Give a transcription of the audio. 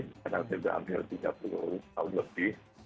kadang kadang sudah hampir tiga puluh tahun lebih